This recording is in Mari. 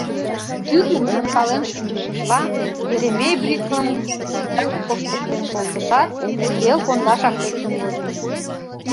Тӱрлым шонкален шинчышыжла, Еремей бритвым титак коштыктен колтышат, пел пондашак лектын возо...